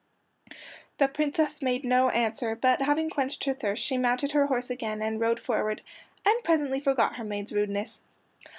The Princess made no answer, but having quenched her thirst she mounted her horse again and rode forward, and presently forgot her maid's rudeness.